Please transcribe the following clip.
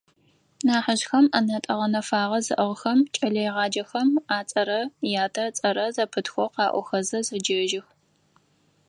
Нахьыжъхэм, ӏэнэтӏэ гъэнэфагъэ зыӏыгъхэм, кӏэлэегъаджэхэм ацӏэрэ ятэ ыцӏэрэ зэпытхэу къаӏохэзэ зэджэжьых.